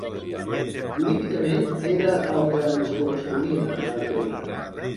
Políticament era el que ens corresponia, ha afirmat.